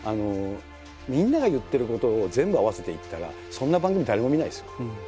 みんなが言ってることを全部合わせていったらそんな番組誰も見ないですよ。